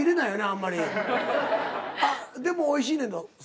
あっでもおいしいねんぞ。